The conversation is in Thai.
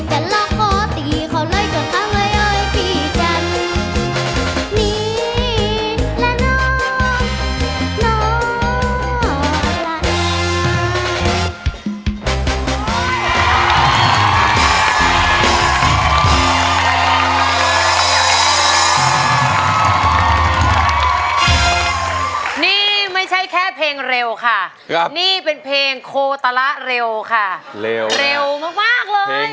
จันล่ะก็ตีเขาเลยก็เข้าเฮยเฮยพี่จัน